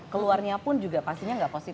keluarnya pun juga pastinya nggak positif